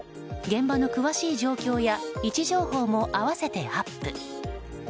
現場の詳しい状況や位置情報も併せてアップ。